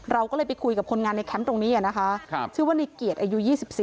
เราก็เลยไปคุยกับคนงานในแคมป์ตรงนี้นะคะชื่อว่าในเกียรติอายุ๒๔